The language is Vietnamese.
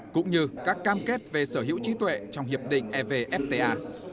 cũng như các cam kết về sở hữu trí tuệ trong hiệp định evfta